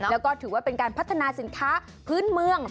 แล้วก็ถือว่าเป็นการพัฒนาสินค้าพื้นเมือง